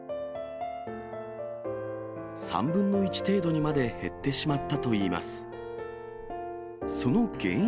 ３分の１程度にまで減ってしまったといいます。